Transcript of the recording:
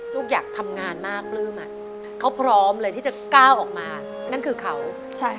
ลูกอยากทำงานมากปลื้มอ่ะเขาพร้อมเลยที่จะก้าวออกมานั่นคือเขาใช่ค่ะ